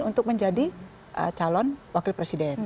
untuk menjadi calon wakil presiden